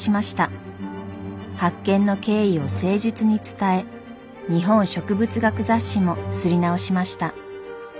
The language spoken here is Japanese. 発見の経緯を誠実に伝え日本植物学雑誌も刷り直しました。